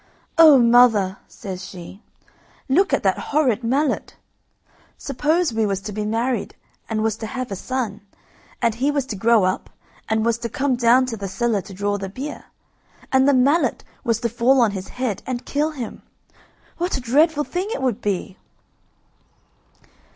"Oh, mother!" says she, "look at that horrid mallet! Suppose we was to be married, and was to have a son, and he was to grow up, and was to come down to the cellar to draw the beer, and the mallet was to fall on his head and kill him, what a dreadful thing it would be!"